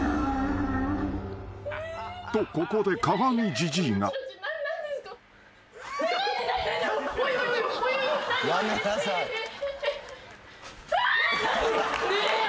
［とここで鏡じじいが］はっ。